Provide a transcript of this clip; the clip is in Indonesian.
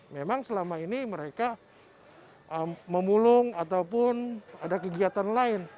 memang selama ini mereka memulung ataupun ada kegiatan lain